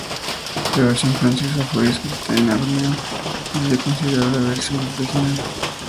La versión francesa fue escrita en arameo, y se considera la versión más original.